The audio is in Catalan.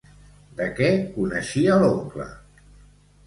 De què coneixia l'oncle?